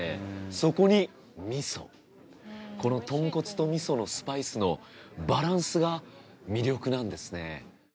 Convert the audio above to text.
そこにみそこの豚骨とみそのスパイスのバランスが魅力なんですね。